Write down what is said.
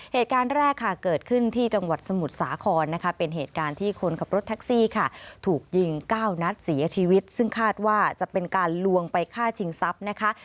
เหตุการณ์แรกค่ะเกิดขึ้นที่จังหวัดสมุทรสาครนะคะเป็นเหตุการณ์ที่คนขับรถแท็กซี่ค่ะถูกยิง๙นัดเสียชีวิตซึ่งคาดว่าจะเป็นการลวงไปฆ่าชิงทรัพย์นะคะ